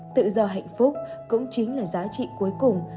tự do hạnh phúc cũng chính là giá trị cuối cùng